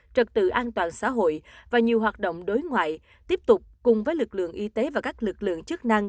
trật tự an toàn xã hội và nhiều hoạt động đối ngoại tiếp tục cùng với lực lượng y tế và các lực lượng chức năng